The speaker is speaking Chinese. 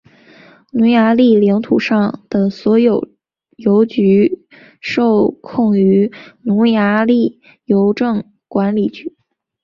匈牙利领土上的所有邮局受控于匈牙利邮政管理局。